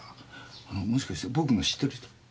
あのもしかして僕の知ってる人？